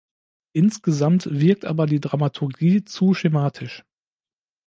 Insgesamt wirkt aber die Dramaturgie zu schematisch.